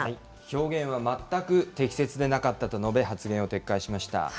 表現は全く適切でなかったと述べ、発言を撤回しました。